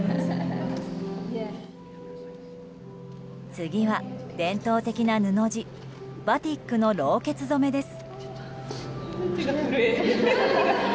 次は、伝統的な布地バティックのろうけつ染めです。